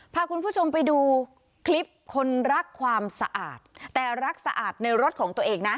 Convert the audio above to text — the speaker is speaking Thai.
พาคุณผู้ชมไปดูคลิปคนรักความสะอาดแต่รักสะอาดในรถของตัวเองนะ